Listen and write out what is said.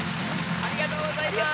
ありがとうございます。